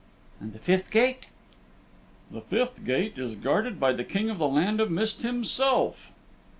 "And the fifth gate?" "The fifth gate is guarded by the King of the Land of Mist himself."